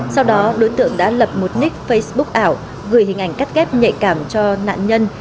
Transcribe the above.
sau đó đối tượng đã lập một nick facebook ảo gửi hình ảnh cắt ghép nhạy cảm cho nạn nhân